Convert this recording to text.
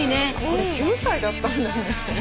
これ９歳だったんだね。